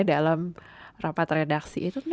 dalam rapat redaksi itu